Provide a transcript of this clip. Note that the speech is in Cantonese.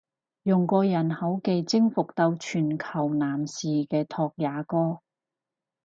用過人口技征服到全球男士嘅拓也哥！？